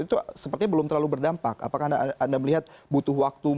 itu sepertinya belum terlalu berdampak apakah anda melihat butuh waktu